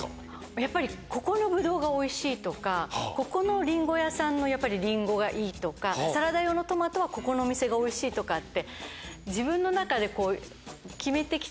やっぱりここのブドウがおいしいとかここのリンゴ屋さんのリンゴがいいとかサラダ用のトマトはここの店がおいしいとかって。